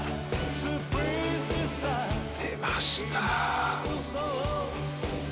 「出ました」